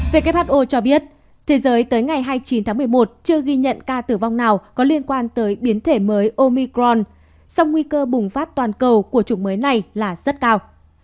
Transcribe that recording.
who cho biết thế giới tới ngày hai mươi chín tháng một mươi một chưa ghi nhận ca tử vong nào có liên quan tới biến thể mới omicron song nguy cơ bùng phát toàn cầu của chủng mới này là rất cao